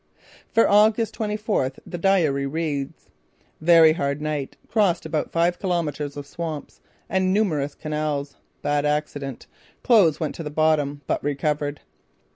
For August twenty fourth the diary reads: "Very hard night. Crossed about five kilometres of swamps and numerous canals. Bad accident. Clothes went to the bottom, but recovered.